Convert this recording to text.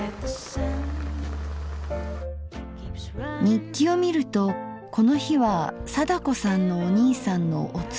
日記を見るとこの日は貞子さんのお兄さんのお通夜でした。